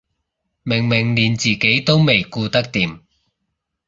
明明連自己都未顧得掂